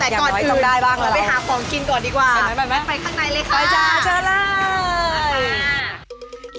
แต่ก่อนอื่นเราไปหาของกินก่อนดีกว่าไปข้างในเลยค่ะไปจ้าเจอแล้ว